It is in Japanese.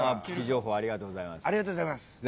プチ情報ありがとうございます。